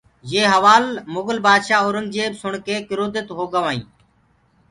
يي هوآل مُگل بآدشآه اورنٚگجيب سُڻڪي ڪروڌِتِ هوگوائينٚ